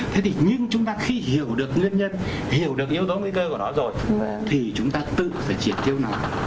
thế thì nhưng chúng ta khi hiểu được nguyên nhân hiểu được yếu tố nguy cơ của nó rồi thì chúng ta tự phải triệt tiêu nó